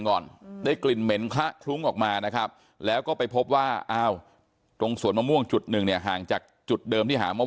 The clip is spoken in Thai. น้องจ้อยนั่งก้มหน้าไม่มีใครรู้ข่าวว่าน้องจ้อยเสียชีวิตไปแล้ว